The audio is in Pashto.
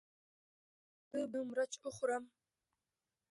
ایا زه باید شنه مرچ وخورم؟